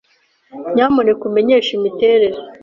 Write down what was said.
Nyamuneka umenyeshe imiterere.